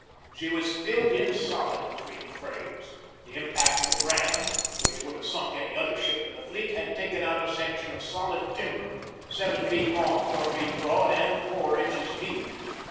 She was filled in solid between the frames. The impact of the ram, which would have sunk any other ship in the fleet, had taken out a section of solid timber seven feet long, four feet broad, and four inches deep.